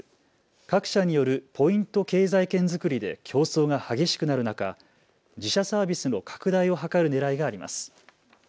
各社によるポイント経済圏作りで競争が激しくなる中、自社サービスの拡大を図るねらいがあります。